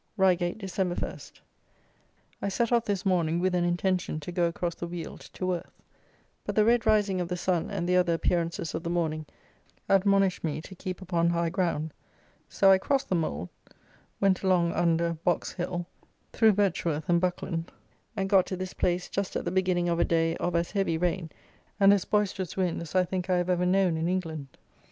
Reigate, December 1. I set off this morning with an intention to go across the Weald to Worth; but the red rising of the sun and the other appearances of the morning admonished me to keep upon high ground; so I crossed the Mole, went along under Boxhill, through Betchworth and Buckland, and got to this place just at the beginning of a day of as heavy rain, and as boisterous wind, as, I think, I have ever known in England.